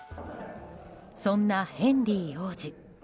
そんなヘンリー王子。